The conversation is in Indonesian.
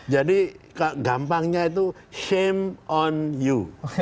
jadi gampangnya itu shame on you